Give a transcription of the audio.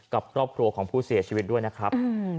กับครอบครัวของผู้เสียชีวิตด้วยนะครับ